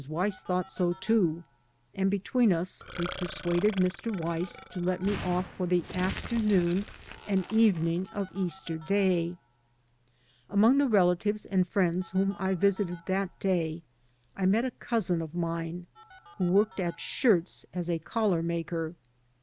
Weiss thought so, too; and between us we persuaded Mr. Weiss to let me off for the afternoon and evening of Easter Day. Among the relatives and friends whom I visited that day I met a cousin of mine who worked at shirts as a collar maker.